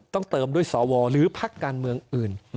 ต้องเติมด้วยสวหรือพักการเมืองอื่น